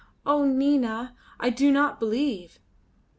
"Oh! Nina! I do not believe."